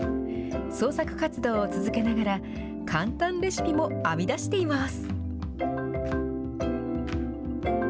創作活動を続けながら、簡単レシピも編み出しています。